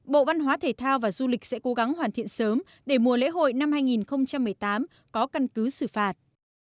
bộ văn hóa thể thao và du lịch sẽ cố gắng hoàn thiện sớm để mùa lễ hội năm hai nghìn một mươi tám có căn cứ xử phạt